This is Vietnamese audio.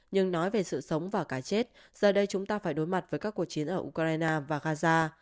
nhưng nói về sự sống và cái chết giờ đây chúng ta phải đối mặt với các cuộc chiến ở ukraine và gaza